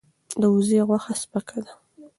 د وزې غوښه سپکه ده.